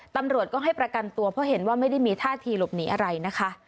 ตำรวจก็ให้ประกันตัวเพราะเห็นว่าไม่ได้มีท่าทีหลบหนีอะไรนะคะ